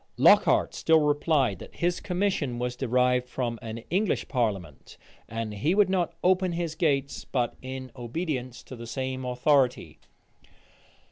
Lockhart still replied, that his commission was derived from an English parliament, and he would not open his gates but in obedience to the same authority.